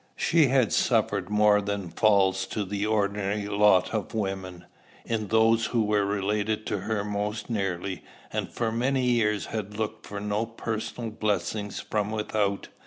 She had suffered more than falls to the ordinary lot of women, in those who were related to her most nearly, and for many years had looked for no personal blessing from without.